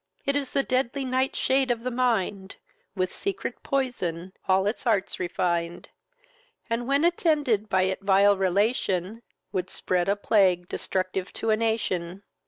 It is the deadly nightshade of the mind; With secret poison all its arts refin'd; And, when attended by it vile relation, Would spread a plague destructive to a nation.